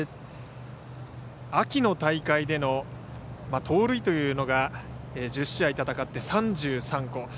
秋の大会での盗塁というのが１０試合戦って３３個。